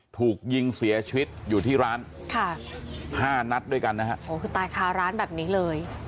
ถูกยิงเสียชีวิตอยู่ที่ร้านค่ะห้านัดด้วยกันนะฮะโอ้คือตายคาร้านแบบนี้เลย